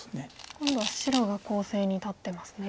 今度は白が攻勢に立ってますね。